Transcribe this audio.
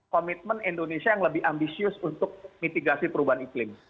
komitmen indonesia yang lebih ambisius untuk mitigasi perubahan iklim